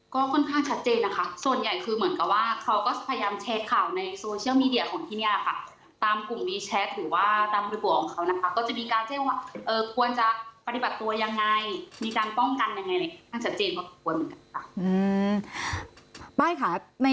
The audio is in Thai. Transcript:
ก็ค่อนข้างชัดเจนนะคะส่วนใหญ่คือเหมือนกับว่าเขาก็พยายามแชร์ข่าวในโซเชียลมีเดียของที่เนี่ยค่ะตามกลุ่มมีแชทหรือว่าตามในตัวของเขานะคะก็จะมีการแจ้งว่าควรจะปฏิบัติตัวยังไงมีการป้องกันยังไงท่านชัดเจนพอสมควรเหมือนกันค่ะ